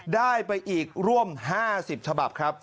ได้ไปอีกร่วม๕๐ฉบับครับ